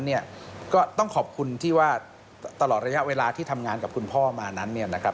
เนี่ยก็ต้องขอบคุณที่ว่าตลอดระยะเวลาที่ทำงานกับคุณพ่อมานั้นเนี่ยนะครับ